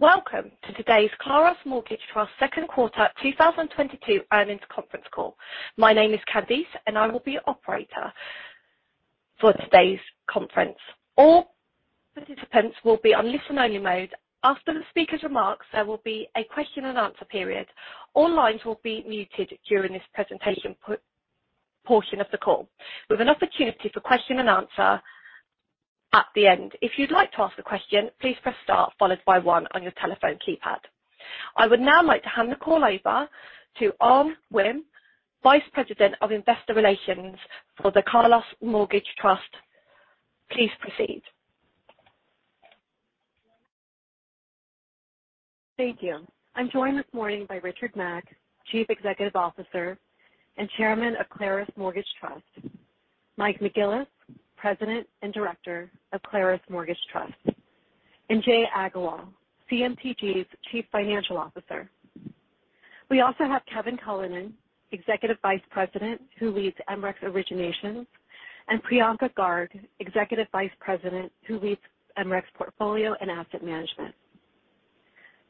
Welcome to today's Claros Mortgage Trust Q2 2022 earnings conference call. My name is Candice, and I will be your operator for today's conference. All participants will be on listen-only mode. After the speaker's remarks, there will be a question-and-answer period. All lines will be muted during this presentation portion of the call, with an opportunity for question and answer at the end. If you'd like to ask a question, please press Star followed by one on your telephone keypad. I would now like to hand the call over to Anh Huynh, Vice President of Investor Relations for the Claros Mortgage Trust. Please proceed. Thank you. I'm joined this morning by Richard Mack, Chief Executive Officer and Chairman of Claros Mortgage Trust, J. Michael McGillis, President and Director of Claros Mortgage Trust, and Jai Agarwal, CMTG's Chief Financial Officer. We also have Kevin Cullinan, Executive Vice President, who leads MRECS Originations, and Priyanka Garg, Executive Vice President, who leads MRECS Portfolio and Asset Management.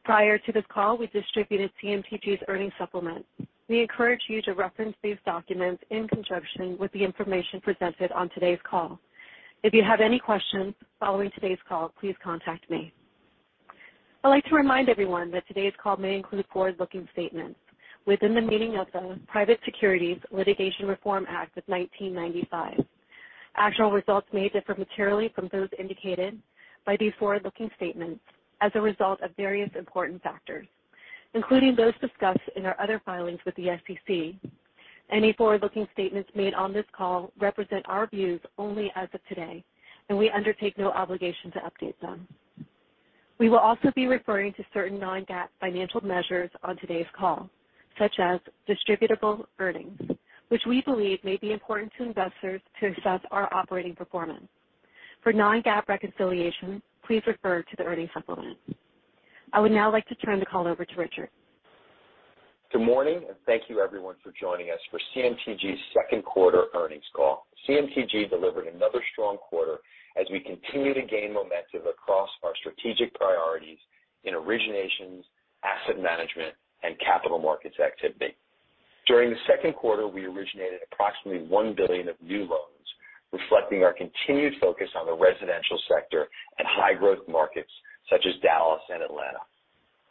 Prior to this call, we distributed CMTG's earnings supplement. We encourage you to reference these documents in conjunction with the information presented on today's call. If you have any questions following today's call, please contact me. I'd like to remind everyone that today's call may include forward-looking statements within the meaning of the Private Securities Litigation Reform Act of 1995. Actual results may differ materially from those indicated by these forward-looking statements as a result of various important factors, including those discussed in our other filings with the SEC. Any forward-looking statements made on this call represent our views only as of today, and we undertake no obligation to update them. We will also be referring to certain non-GAAP financial measures on today's call, such as distributable earnings, which we believe may be important to investors to assess our operating performance. For non-GAAP reconciliation, please refer to the earnings supplement. I would now like to turn the call over to Richard. Good morning, and thank you everyone for joining us for CMTG's Q2 earnings call. CMTG delivered another strong quarter as we continue to gain momentum across our strategic priorities in originations, asset management, and capital markets activity. During the Q2, we originated approximately $1 billion of new loans, reflecting our continued focus on the residential sector and high-growth markets such as Dallas and Atlanta.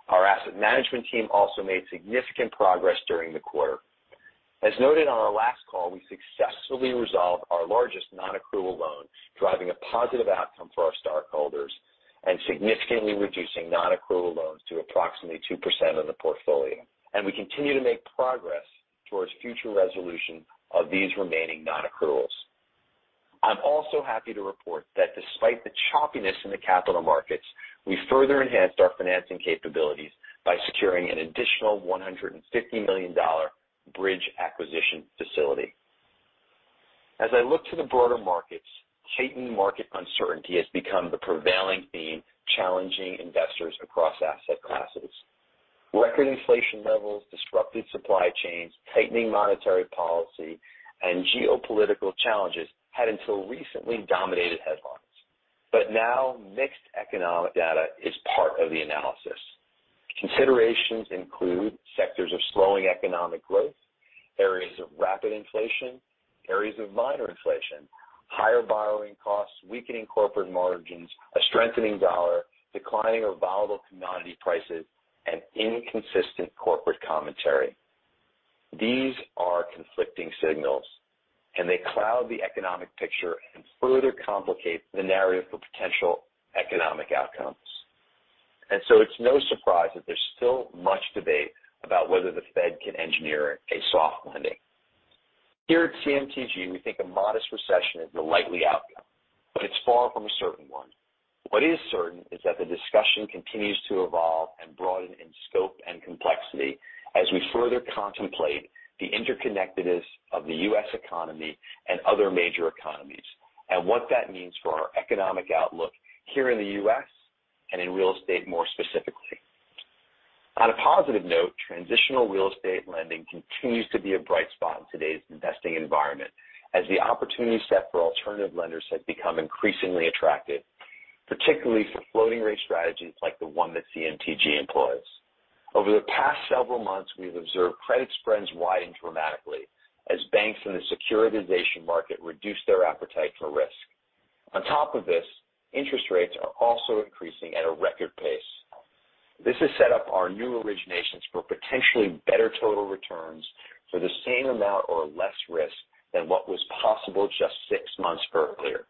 Our asset management team also made significant progress during the quarter. As noted on our last call, we successfully resolved our largest non-accrual loan, driving a positive outcome for our stockholders and significantly reducing non-accrual loans to approximately 2% of the portfolio. We continue to make progress towards future resolution of these remaining non-accruals. I'm also happy to report that despite the choppiness in the capital markets, we further enhanced our financing capabilities by securing an additional $150 million bridge acquisition facility. As I look to the broader markets, heightened market uncertainty has become the prevailing theme challenging investors across asset classes. Record inflation levels, disrupted supply chains, tightening monetary policy, and geopolitical challenges had until recently dominated headlines. Mixed economic data is part of the analysis. Considerations include sectors of slowing economic growth, areas of rapid inflation, areas of minor inflation, higher borrowing costs, weakening corporate margins, a strengthening dollar, declining or volatile commodity prices, and inconsistent corporate commentary. These are conflicting signals, and they cloud the economic picture and further complicate the narrative for potential economic outcomes. It's no surprise that there's still much debate about whether the Fed can engineer a soft landing. Here at CMTG, we think a modest recession is the likely outcome, but it's far from a certain one. What is certain is that the discussion continues to evolve and broaden in scope and complexity as we further contemplate the interconnectedness of the U.S. economy and other major economies, and what that means for our economic outlook here in the U.S. and in real estate more specifically. On a positive note, transitional real estate lending continues to be a bright spot in today's investing environment as the opportunity set for alternative lenders has become increasingly attractive, particularly for floating rate strategies like the one that CMTG employs. Over the past several months, we have observed credit spreads widen dramatically as banks in the securitization market reduce their appetite for risk. On top of this, interest rates are also increasing at a record pace. This has set up our new originations for potentially better total returns for the same amount or less risk than what was possible just six months earlier.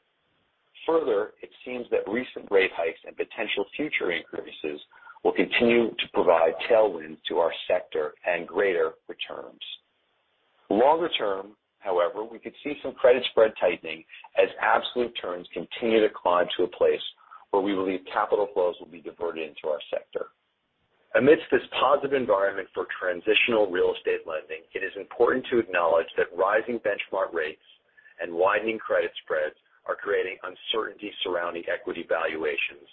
Further, it seems that recent rate hikes and potential future increases will continue to provide tailwinds to our sector and greater returns. Longer term, however, we could see some credit spread tightening as absolute returns continue to climb to a place where we believe capital flows will be diverted into our sector. Amidst this positive environment for transitional real estate lending, it is important to acknowledge that rising benchmark rates and widening credit spreads are creating uncertainty surrounding equity valuations,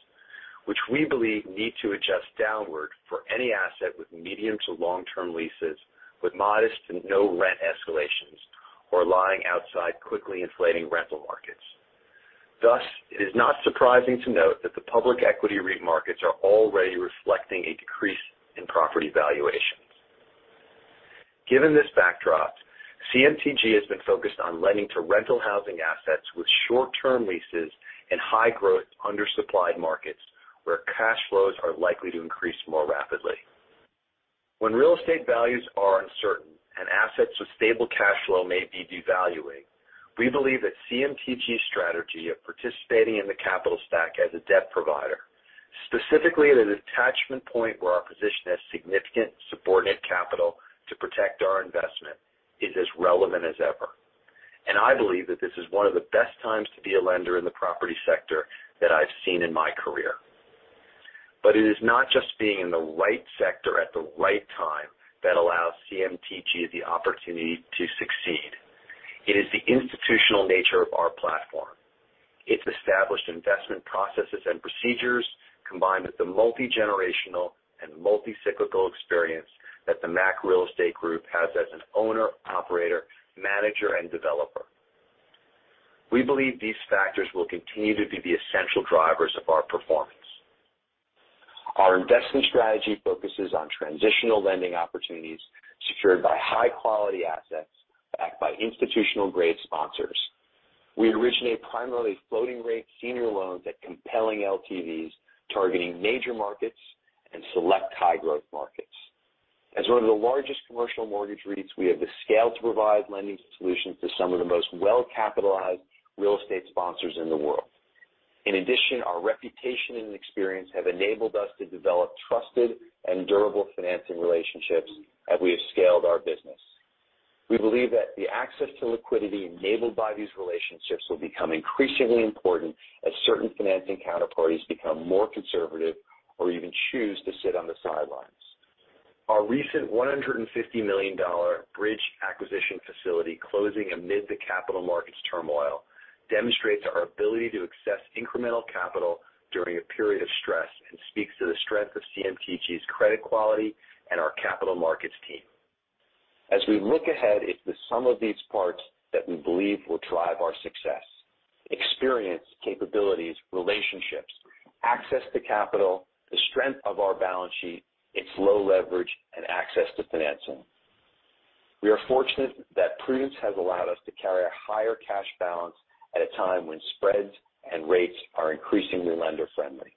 which we believe need to adjust downward for any asset with medium to long-term leases with modest to no rent escalations or lying outside quickly inflating rental markets. Thus, it is not surprising to note that the public equity REIT markets are already reflecting a decrease in property valuations. Given this backdrop, CMTG has been focused on lending to rental housing assets with short-term leases and high growth undersupplied markets, where cash flows are likely to increase more rapidly. When real estate values are uncertain and assets with stable cash flow may be devaluing, we believe that CMTG's strategy of participating in the capital stack as a debt provider, specifically at an attachment point where our position has significant subordinate capital to protect our investment, is as relevant as ever. I believe that this is one of the best times to be a lender in the property sector that I've seen in my career. It is not just being in the right sector at the right time that allows CMTG the opportunity to succeed. It is the institutional nature of our platform. Its established investment processes and procedures, combined with the multigenerational and multicyclical experience that the Mack Real Estate Group has as an owner, operator, manager, and developer. We believe these factors will continue to be the essential drivers of our performance. Our investment strategy focuses on transitional lending opportunities secured by high-quality assets backed by institutional-grade sponsors. We originate primarily floating-rate senior loans at compelling LTVs, targeting major markets and select high-growth markets. As one of the largest commercial mortgage REITs, we have the scale to provide lending solutions to some of the most well-capitalized real estate sponsors in the world. In addition, our reputation and experience have enabled us to develop trusted and durable financing relationships as we have scaled our business. We believe that the access to liquidity enabled by these relationships will become increasingly important as certain financing counterparties become more conservative or even choose to sit on the sidelines. Our recent $150 million bridge acquisition facility closing amid the capital markets turmoil demonstrates our ability to access incremental capital during a period of stress and speaks to the strength of CMTG's credit quality and our capital markets team. As we look ahead, it's the sum of these parts that we believe will drive our success. Experience, capabilities, relationships, access to capital, the strength of our balance sheet, its low leverage, and access to financing. We are fortunate that prudence has allowed us to carry a higher cash balance at a time when spreads and rates are increasingly lender-friendly.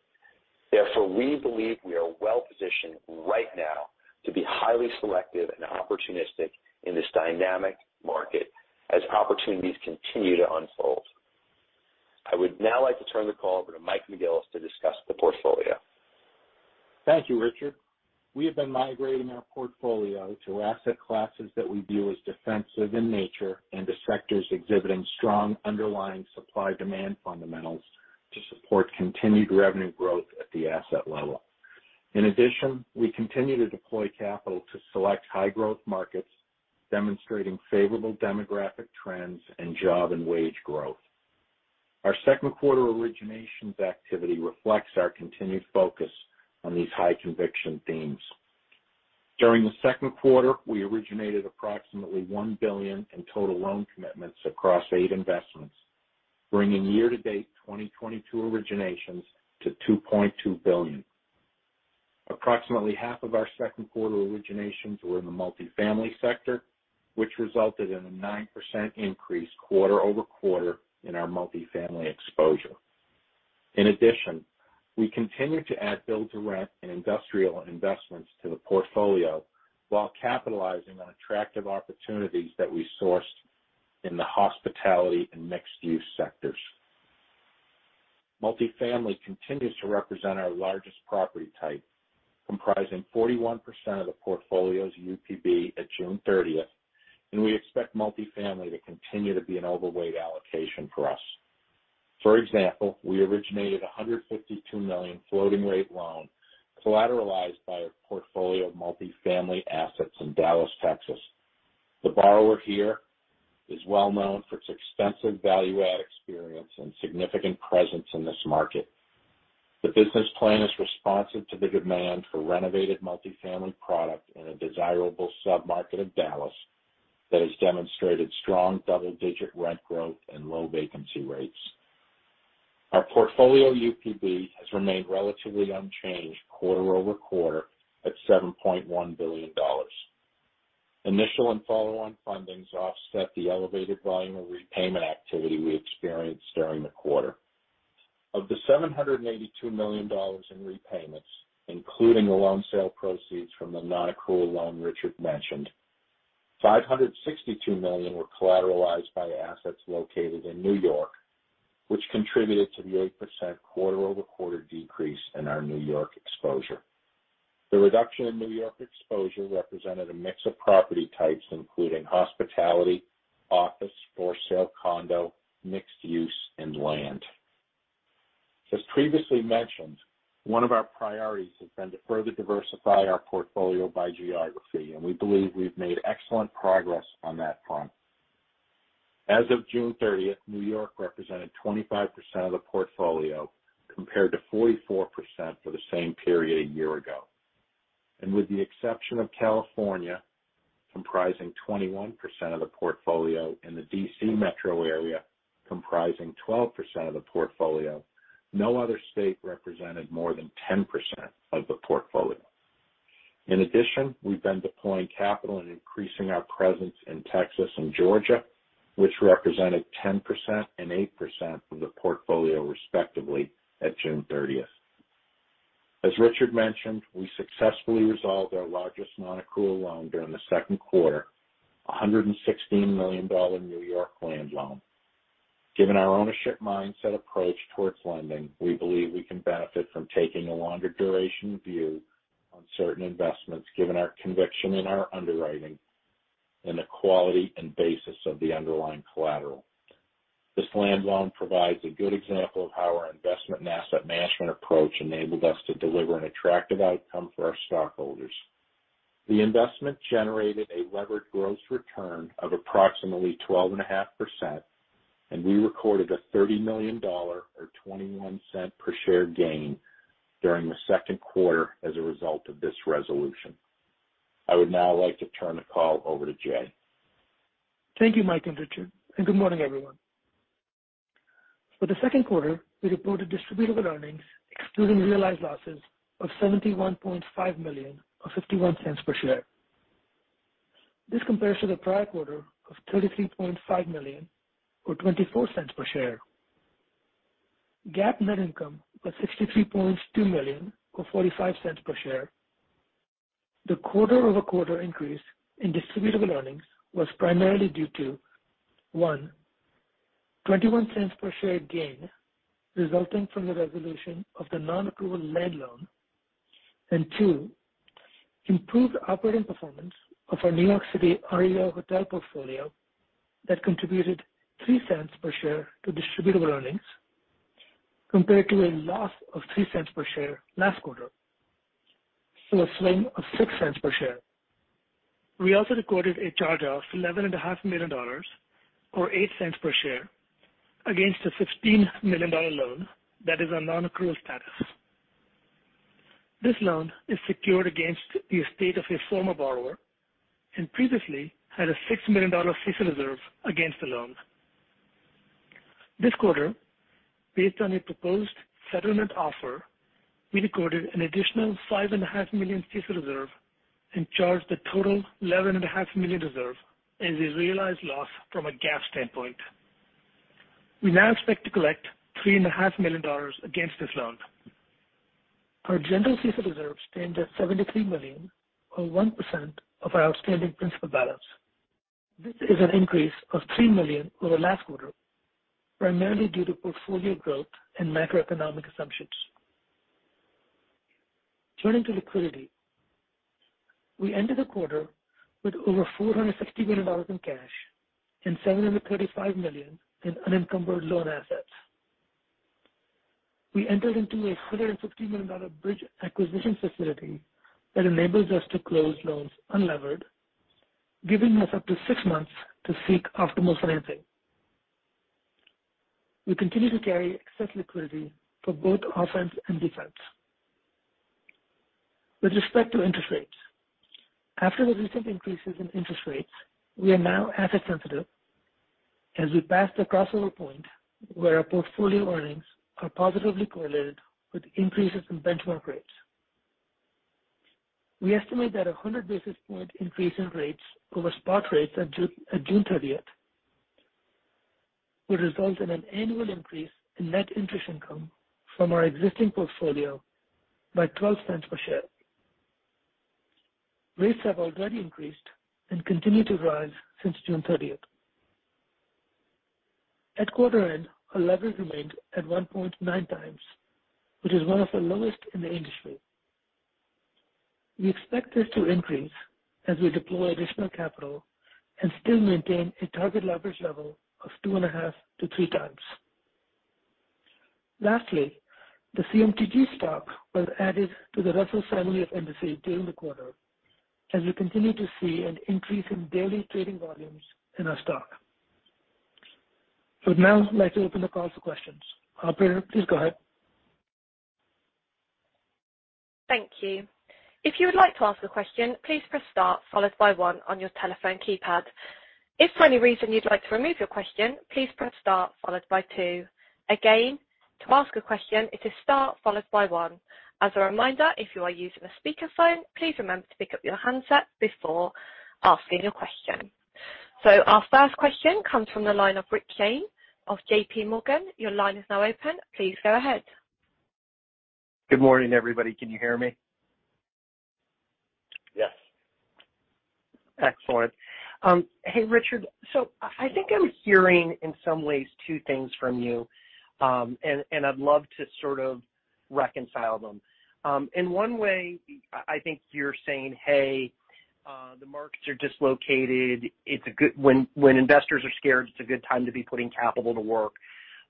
Therefore, we believe we are well positioned right now to be highly selective and opportunistic in this dynamic market as opportunities continue to unfold. I would now like to turn the call over to Mike McGillis to discuss the portfolio. Thank you, Richard. We have been migrating our portfolio to asset classes that we view as defensive in nature and to sectors exhibiting strong underlying supply-demand fundamentals to support continued revenue growth at the asset level. In addition, we continue to deploy capital to select high-growth markets demonstrating favorable demographic trends and job and wage growth. Our Q2 originations activity reflects our continued focus on these high conviction themes. During the Q2, we originated approximately $1 billion in total loan commitments across eight investments, bringing year-to-date 2022 originations to $2.2 billion. Approximately half of our Q2 originations were in the multifamily sector, which resulted in a 9% increase quarter-over-quarter in our multifamily exposure. In addition, we continued to add build to rent and industrial investments to the portfolio while capitalizing on attractive opportunities that we sourced in the hospitality and mixed-use sectors. Multifamily continues to represent our largest property type, comprising 41% of the portfolio's UPB at June thirtieth, and we expect multifamily to continue to be an overweight allocation for us. For example, we originated a $152 million floating rate loan collateralized by a portfolio of multifamily assets in Dallas, Texas. The borrower here is well known for its extensive value-add experience and significant presence in this market. The business plan is responsive to the demand for renovated multifamily product in a desirable submarket of Dallas that has demonstrated strong double-digit rent growth and low vacancy rates. Our portfolio UPB has remained relatively unchanged quarter-over-quarter at $7.1 billion. Initial and follow-on fundings offset the elevated volume of repayment activity we experienced during the quarter. Of the $782 million in repayments, including the loan sale proceeds from the non-accrual loan Richard mentioned, $562 million were collateralized by assets located in New York, which contributed to the 8% quarter-over-quarter decrease in our New York exposure. The reduction in New York exposure represented a mix of property types, including hospitality, office, for sale condo, mixed use, and land. As previously mentioned, one of our priorities has been to further diversify our portfolio by geography, and we believe we've made excellent progress on that front. As of June 30, New York represented 25% of the portfolio, compared to 44% for the same period a year ago. With the exception of California, comprising 21% of the portfolio in the D.C. Metro area, comprising 12% of the portfolio. No other state represented more than 10% of the portfolio. In addition, we've been deploying capital and increasing our presence in Texas and Georgia, which represented 10% and 8% of the portfolio, respectively, at June 30. As Richard mentioned, we successfully resolved our largest non-accrual loan during the Q2, $116 million New York land loan. Given our ownership mindset approach towards lending, we believe we can benefit from taking a longer duration view on certain investments, given our conviction in our underwriting and the quality and basis of the underlying collateral. This land loan provides a good example of how our investment and asset management approach enabled us to deliver an attractive outcome for our stockholders. The investment generated a levered gross return of approximately 12.5%, and we recorded a $30 million or $0.21 per share gain during the Q2 as a result of this resolution. I would now like to turn the call over to Jai. Thank you, Mike and Richard, and good morning, everyone. For the Q2, we reported distributable earnings excluding realized losses of $71.5 million or $0.51 per share. This compares to the prior quarter of $33.5 million or $0.24 per share. GAAP net income was $63.2 million or $0.45 per share. The quarter-over-quarter increase in distributable earnings was primarily due to, one, $0.21 per share gain resulting from the resolution of the non-accrual land loan. And two, improved operating performance of our New York City REO hotel portfolio that contributed $0.03 per share to distributable earnings compared to a loss of $0.03 per share last quarter. A swing of six cents per share. We also recorded a charge-off of $11 and a half million or $0.08 per share against a $16 million dollar loan that is on non-accrual status. This loan is secured against the estate of a former borrower and previously had a $6 million dollar CECL reserve against the loan. This quarter, based on a proposed settlement offer, we recorded an additional $5 and a half million CECL reserve and charged the total $11 and a half million reserve as a realized loss from a GAAP standpoint. We now expect to collect $3 and a half million against this loan. Our general CECL reserve stands at $73 million or 1% of our outstanding principal balance. This is an increase of $3 million over last quarter, primarily due to portfolio growth and macroeconomic assumptions. Turning to liquidity. We ended the quarter with over $460 million in cash and $735 million in unencumbered loan assets. We entered into a $150 million bridge acquisition facility that enables us to close loans unlevered, giving us up to 6 months to seek optimal financing. We continue to carry excess liquidity for both offense and defense. With respect to interest rates, after the recent increases in interest rates, we are now asset sensitive as we pass the crossover point where our portfolio earnings are positively correlated with increases in benchmark rates. We estimate that a 100 basis point increase in rates over spot rates at June thirtieth would result in an annual increase in net interest income from our existing portfolio by $0.12 per share. Rates have already increased and continue to rise since June thirtieth. At quarter end, our leverage remained at 1.9 times, which is one of the lowest in the industry. We expect this to increase as we deploy additional capital and still maintain a target leverage level of 2.5-3 times. Lastly, the CMTG stock was added to the Russell family of indexes during the quarter as we continue to see an increase in daily trading volumes in our stock. I would now like to open the call to questions. Operator, please go ahead. Thank you. If you would like to ask a question, please press star followed by one on your telephone keypad. If for any reason you'd like to remove your question, please press star followed by two. Again, to ask a question, it is star followed by one. As a reminder, if you are using a speakerphone, please remember to pick up your handset before asking a question. Our first question comes from the line of Rick Shane of J.P. Morgan. Your line is now open. Please go ahead. Good morning, everybody. Can you hear me? Yes. Excellent. Hey, Richard. I think I'm hearing in some ways two things from you, and I'd love to sort of reconcile them. In one way, I think you're saying, "Hey, the markets are dislocated. When investors are scared, it's a good time to be putting capital to work,"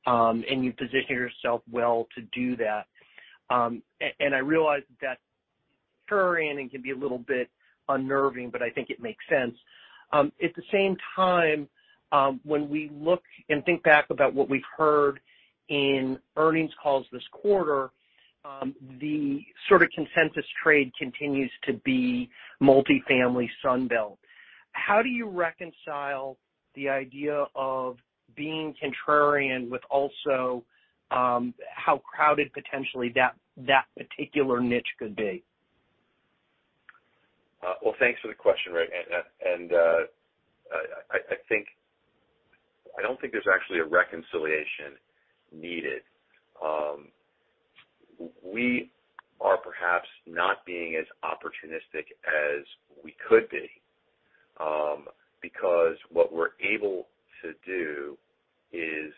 and you position yourself well to do that. And I realize that touring can be a little bit unnerving, but I think it makes sense. At the same time, when we look and think back about what we've heard in earnings calls this quarter, the sort of consensus trade continues to be multifamily Sun Belt. How do you reconcile the idea of being contrarian with also, how crowded potentially that particular niche could be? Well, thanks for the question, Rick Shane. I don't think there's actually a reconciliation needed. We are perhaps not being as opportunistic as we could be, because what we're able to do is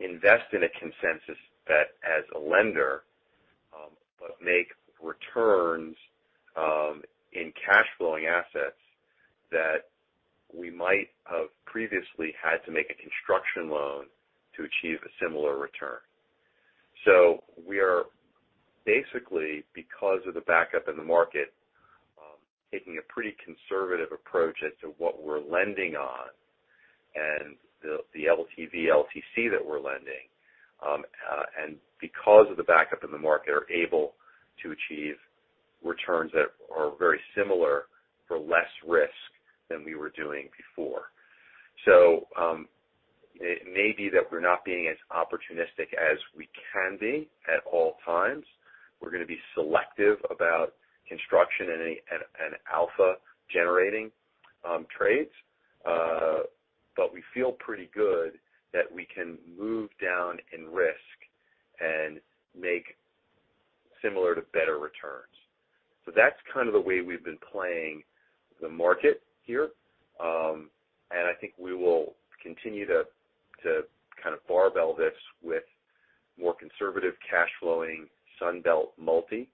invest in concessions that as a lender, but make returns in cash flowing assets that we might have previously had to make a construction loan to achieve a similar return. We are basically, because of the backup in the market, taking a pretty conservative approach as to what we're lending on and the LTV/LTC that we're lending. Because of the backup in the market, are able to achieve returns that are very similar for less risk than we were doing before. It may be that we're not being as opportunistic as we can be at all times. We're gonna be selective about construction and alpha generating trades. We feel pretty good that we can move down in risk and make similar to better returns. That's kind of the way we've been playing the market here. I think we will continue to kind of barbell this with more conservative cash flowing Sun Belt multi,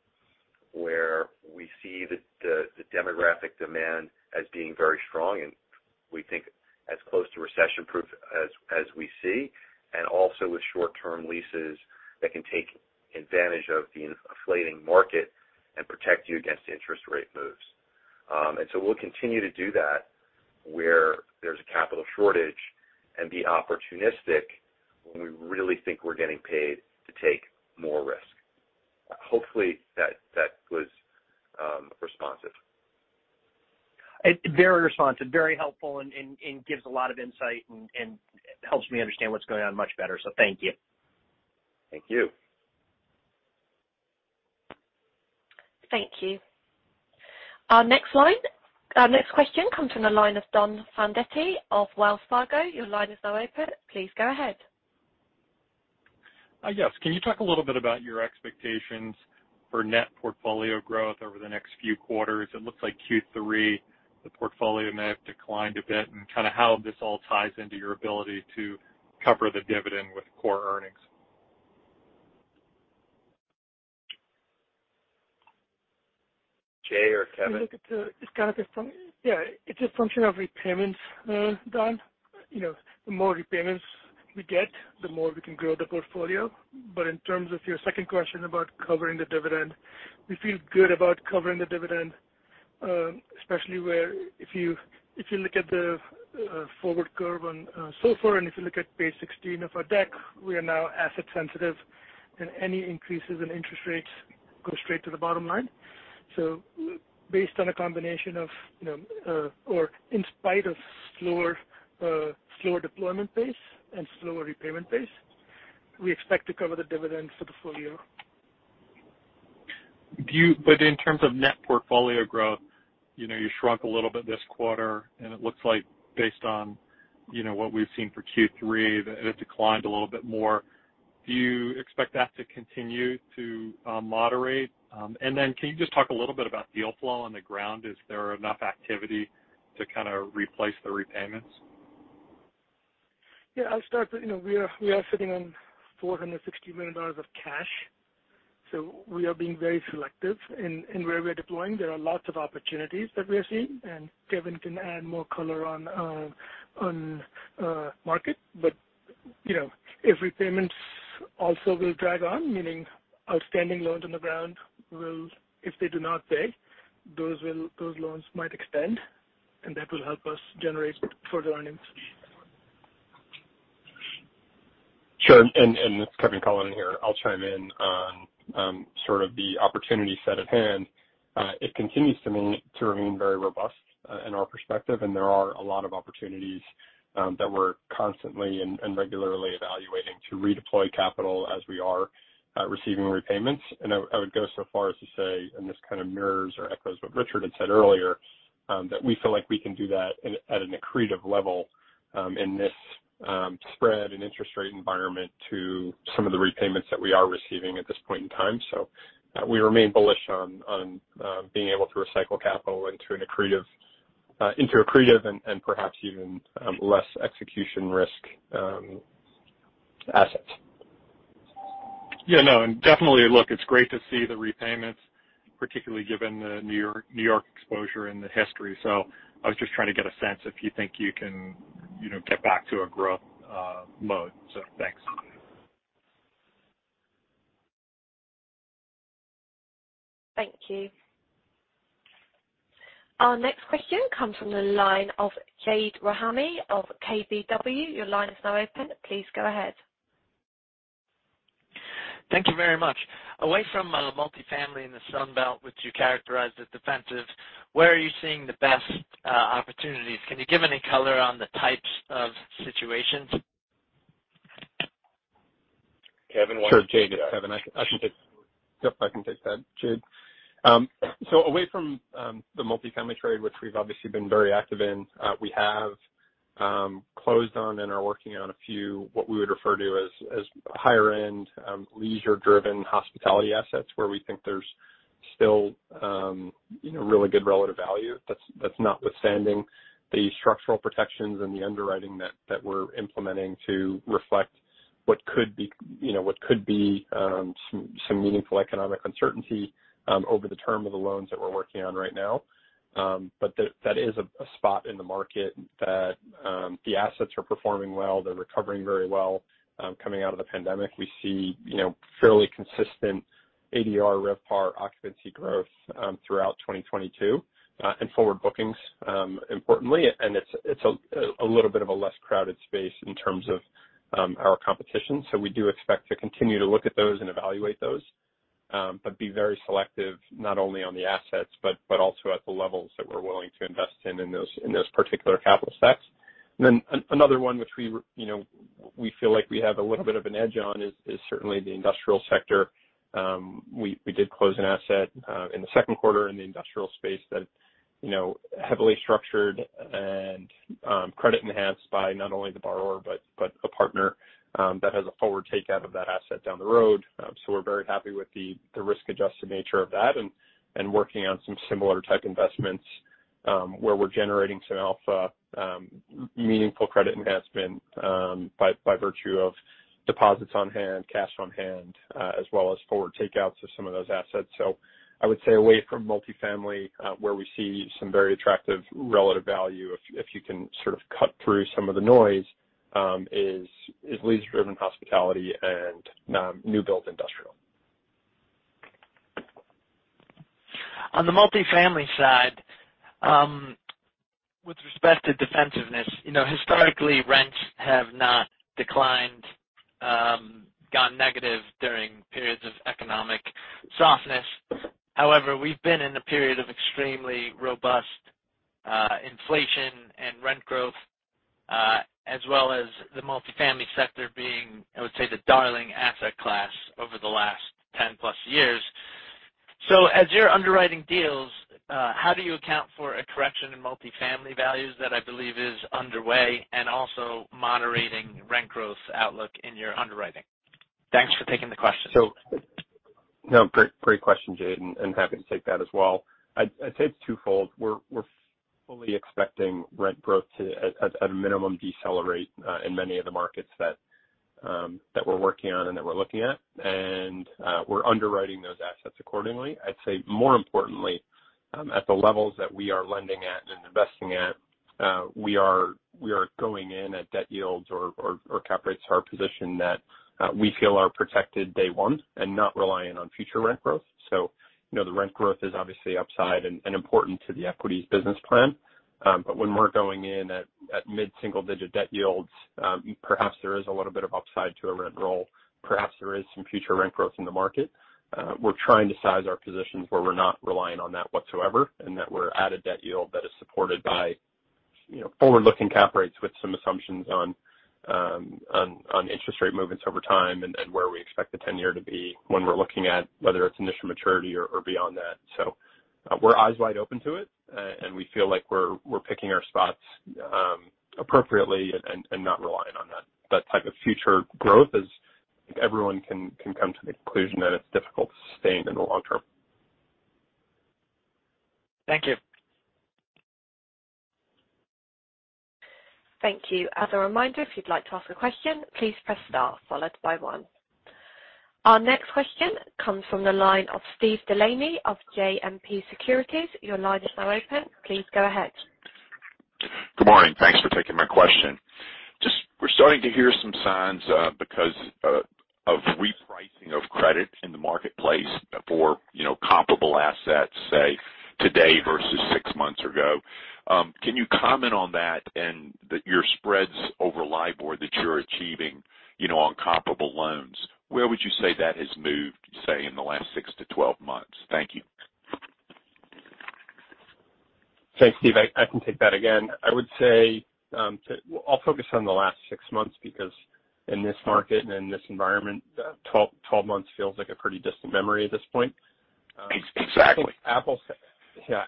where we see the demographic demand as being very strong and we think as close to recession-proof as we see. Also with short-term leases that can take advantage of the inflating market and protect you against interest rate moves. We'll continue to do that where there's a capital shortage and be opportunistic when we really think we're getting paid to take more risk. Hopefully that was responsive. Very responsive, very helpful and gives a lot of insight and helps me understand what's going on much better. Thank you. Thank you. Thank you. Our next question comes from the line of Donald Fandetti of Wells Fargo. Your line is now open. Please go ahead. Yes. Can you talk a little bit about your expectations for net portfolio growth over the next few quarters? It looks like Q3, the portfolio may have declined a bit and kind of how this all ties into your ability to cover the dividend with core earnings. Jai or Kevin? It's a function of repayments, Don., the more repayments we get, the more we can grow the portfolio. In terms of your second question about covering the dividend, we feel good about covering the dividend, especially if you look at the forward curve on SOFR, and if you look at page 16 of our deck, we are now asset sensitive, and any increases in interest rates go straight to the bottom line. Based on a combination of or in spite of slower deployment pace and slower repayment pace, we expect to cover the dividend for the full year. In terms of net portfolio growth you shrunk a little bit this quarter, and it looks like based on what we've seen for Q3, that it declined a little bit more. Do you expect that to continue to moderate? Can you just talk a little bit about deal flow on the ground? Is there enough activity to kind of replace the repayments? Yeah, I'll start., we are sitting on $460 million of cash, so we are being very selective in where we are deploying. There are lots of opportunities that we are seeing, and Kevin can add more color on the market., if repayments also will drag on, meaning outstanding loans on the ground will, if they do not pay, those loans might extend, and that will help us generate further earnings. Sure. This is Kevin Cullinan here. I'll chime in on sort of the opportunity set at hand. It continues to remain very robust in our perspective, and there are a lot of opportunities that we're constantly and regularly evaluating to redeploy capital as we are receiving repayments. I would go so far as to say this kind of mirrors or echoes what Richard had said earlier that we feel like we can do that at an accretive level in this spread and interest rate environment to some of the repayments that we are receiving at this point in time. We remain bullish on being able to recycle capital into accretive and perhaps even less execution risk assets. Yeah, no. Definitely look, it's great to see the repayments, particularly given the New York, New York exposure and the history. I was just trying to get a sense if you think you can get back to a growth mode. Thanks. Thank you. Our next question comes from the line of Jade Rahmani of Keefe, Bruyette and Woods. Your line is now open. Please go ahead. Thank you very much. Away from multifamily in the Sun Belt, which you characterized as defensive, where are you seeing the best opportunities? Can you give any color on the types of situations? Kevin wants- Sure, Jade. It's Kevin. I can take that, Jade. Away from the multifamily trade, which we've obviously been very active in, we have closed on and are working on a few what we would refer to as higher end leisure-driven hospitality assets where we think there's still really good relative value. That's notwithstanding the structural protections and the underwriting that we're implementing to reflect what could be some meaningful economic uncertainty over the term of the loans that we're working on right now. That is a spot in the market that the assets are performing well. They're recovering very well coming out of the pandemic. We see fairly consistent ADR RevPAR occupancy growth throughout 2022 and forward bookings, importantly. It's a little bit of a less crowded space in terms of our competition. We do expect to continue to look at those and evaluate those, but be very selective not only on the assets but also at the levels that we're willing to invest in in those particular capital stacks. Another one which we feel like we have a little bit of an edge on is certainly the industrial sector. We did close an asset in the Q2 in the industrial space that heavily structured and credit enhanced by not only the borrower but a partner that has a forward takeout of that asset down the road. We're very happy with the risk-adjusted nature of that and working on some similar type investments where we're generating some alpha, meaningful credit enhancement by virtue of deposits on hand, cash on hand, as well as forward takeouts of some of those assets. I would say away from multifamily where we see some very attractive relative value if you can sort of cut through some of the noise is lease-driven hospitality and new build industrial. On the multifamily side, with respect to defensiveness historically rents have not declined, gone negative during periods of economic softness. However, we've been in a period of extremely robust, inflation and rent growth, as well as the multifamily sector being, I would say, the darling asset class over the last 10 plus years. As you're underwriting deals, how do you account for a correction in multifamily values that I believe is underway and also moderating rent growth outlook in your underwriting? Thanks for taking the question. No, great question, Jade, and happy to take that as well. I'd say it's twofold. We're fully expecting rent growth to at a minimum decelerate in many of the markets that we're working on and that we're looking at. We're underwriting those assets accordingly. I'd say more importantly, at the levels that we are lending at and investing at, we are going in at debt yields or cap rates to our position that we feel are protected day one and not reliant on future rent growth., the rent growth is obviously upside and important to the equities business plan. But when we're going in at mid-single digit debt yields, perhaps there is a little bit of upside to a rent roll. Perhaps there is some future rent growth in the market. We're trying to size our positions where we're not relying on that whatsoever and that we're at a debt yield that is supported by forward-looking cap rates with some assumptions on interest rate movements over time and where we expect the 10-year to be when we're looking at whether it's initial maturity or beyond that. We're eyes wide open to it, and we feel like we're picking our spots appropriately and not relying on that. That type of future growth, everyone can come to the conclusion that it's difficult to sustain in the long term. Thank you. Thank you. As a reminder, if you'd like to ask a question, please press star followed by one. Our next question comes from the line of Steve DeLaney of JMP Securities. Your line is now open. Please go ahead. Good morning. Thanks for taking my question. Just, we're starting to hear some signs because of repricing of credit in the marketplace for comparable assets, say, today versus 6 months ago. Can you comment on that and your spreads over LIBOR that you're achieving on comparable loans, where would you say that has moved, say, in the last 6-12 months? Thank you. Thanks, Steve. I can take that again. I would say, I'll focus on the last 6 months because in this market and in this environment, 12 months feels like a pretty distant memory at this point. Ex-exactly. Apples to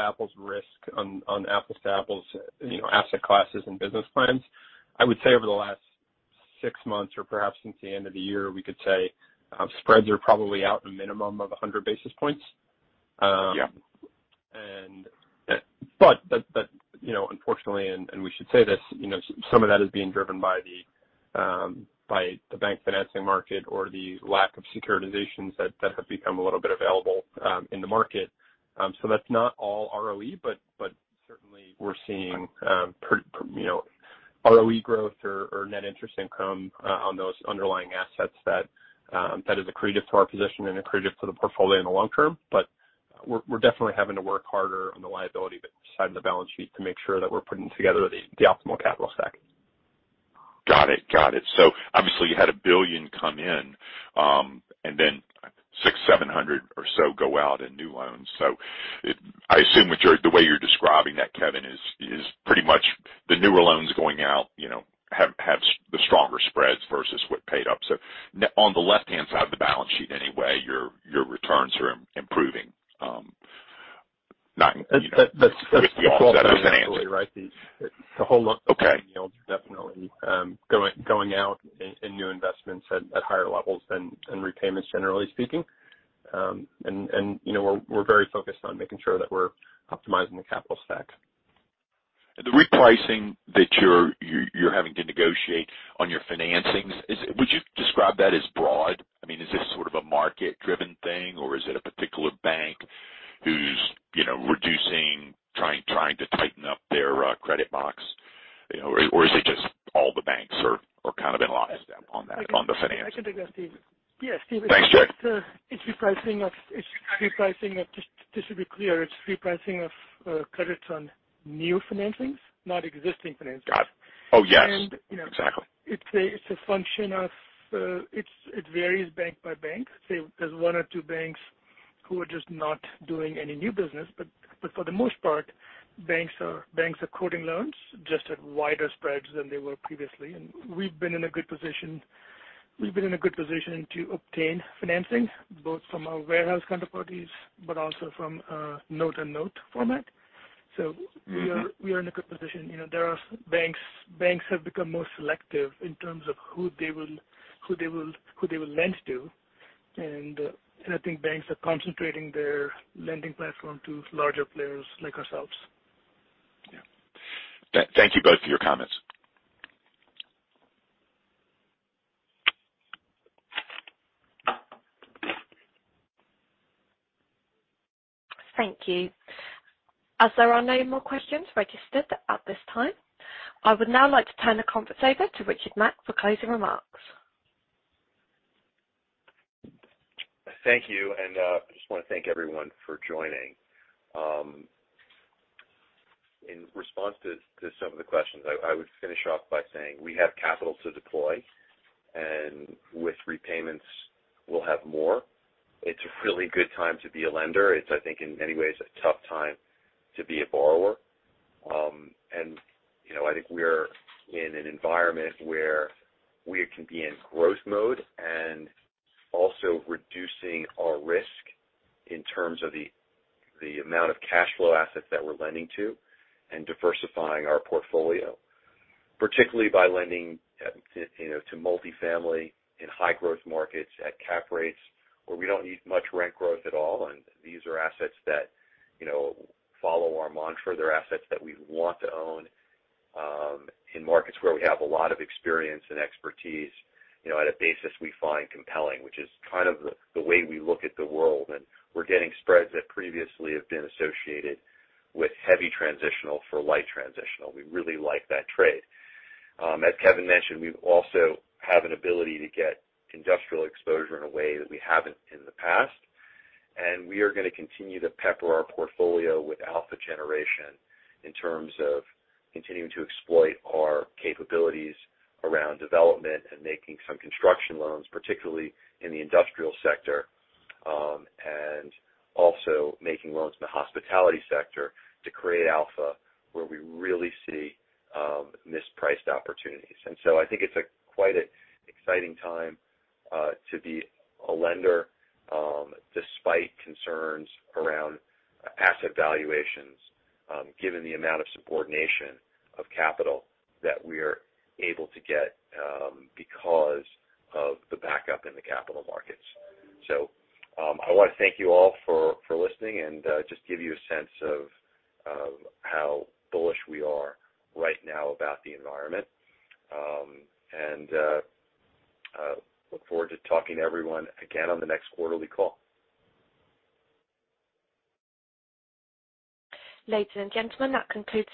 apples risk on apples to apples asset classes and business plans. I would say over the last six months or perhaps since the end of the year, we could say, spreads are probably out a minimum of 100 basis points. Yeah. that unfortunately, and we should say this some of that is being driven by the bank financing market or the lack of securitizations that have become a little bit available in the market. That's not all ROE, but We're seeing, ROE growth or net interest income on those underlying assets that is accretive to our position and accretive to the portfolio in the long term. We're definitely having to work harder on the liability side of the balance sheet to make sure that we're putting together the optimal capital stack. Got it. Obviously, you had $1 billion come in and then $600-$700 million or so go out in new loans. I assume with the way you're describing that, Kevin, is pretty much the newer loans going out have the stronger spreads versus what paid off. On the left-hand side of the balance sheet anyway, your returns are improving, not. That's the offset right. The whole loan. Okay., definitely, going out in new investments at higher levels than repayments, generally speaking., we're very focused on making sure that we're optimizing the capital stack. The repricing that you're having to negotiate on your financings. Is it? Would you describe that as broad? I mean, is this sort of a market-driven thing, or is it a particular bank who's reducing, trying to tighten up their credit box?, or is it just all the banks are kind of in line on that, on the financing? I can take that, Steve. Thanks, Jai Agarwal. Yeah, Steve. Just to be clear, it's repricing of credits on new financings, not existing financings. Got it. Oh, yes.. Exactly. It's a function of it varies bank by bank. Say there's one or two banks who are just not doing any new business. For the most part, banks are quoting loans just at wider spreads than they were previously. We've been in a good position. We've been in a good position to obtain financing both from our warehouse counterparties, but also from note-on-note format. We are in a good position., there are banks. Banks have become more selective in terms of who they will lend to. I think banks are concentrating their lending platform to larger players like ourselves. Yeah. Thank you both for your comments. Thank you. As there are no more questions registered at this time, I would now like to turn the conference over to Richard Mack for closing remarks. Thank you. I just wanna thank everyone for joining. In response to some of the questions, I would finish off by saying we have capital to deploy. With repayments, we'll have more. It's a really good time to be a lender. It's, I think, in many ways a tough time to be a borrower., I think we're in an environment where we can be in growth mode and also reducing our risk in terms of the amount of cash flow assets that we're lending to and diversifying our portfolio. Particularly by lending to multifamily in high growth markets at cap rates where we don't need much rent growth at all. These are assets that follow our mantra. They're assets that we want to own in markets where we have a lot of experience and expertise at a basis we find compelling, which is kind of the way we look at the world. We're getting spreads that previously have been associated with heavy transitional for light transitional. We really like that trade. As Kevin mentioned, we also have an ability to get industrial exposure in a way that we haven't in the past. We are gonna continue to pepper our portfolio with alpha generation in terms of continuing to exploit our capabilities around development and making some construction loans, particularly in the industrial sector. Also making loans in the hospitality sector to create alpha where we really see mispriced opportunities. I think it's a quite an exciting time to be a lender, despite concerns around asset valuations, given the amount of subordination of capital that we're able to get, because of the backup in the capital markets. I wanna thank you all for listening and just give you a sense of how bullish we are right now about the environment. I look forward to talking to everyone again on the next quarterly call. Ladies and gentlemen, that concludes today.